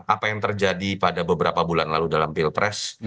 apa yang terjadi pada beberapa bulan lalu dalam pilpres